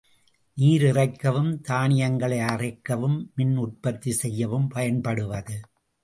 நீர் இறைக்கவும் தானியங்களை அறைக்கவும் மின் உற்பத்தி செய்யவும் பயன்படுவது.